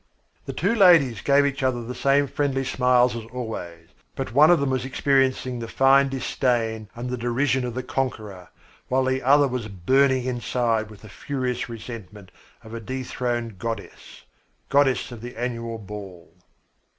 The two ladies gave each other the same friendly smiles as always, but one of them was experiencing the fine disdain and the derision of the conqueror, while the other was burning inside with the furious resentment of a dethroned goddess goddess of the annual ball.